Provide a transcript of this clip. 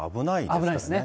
危ないですね。